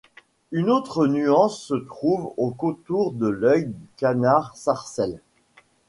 Une autre nuance se trouve au contour de l'œil du canard Sarcelle.